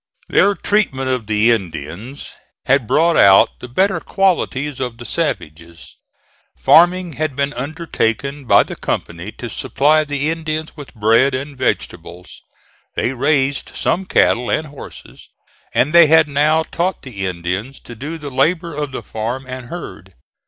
Their treatment of the Indians had brought out the better qualities of the savages. Farming had been undertaken by the company to supply the Indians with bread and vegetables; they raised some cattle and horses; and they had now taught the Indians to do the labor of the farm and herd.